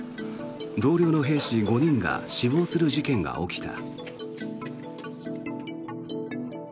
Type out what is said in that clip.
同僚の兵士５人が死亡する事件が起きた。